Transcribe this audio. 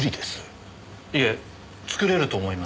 いえ作れると思います。